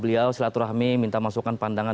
beliau selatu rahmi minta masukan pandangan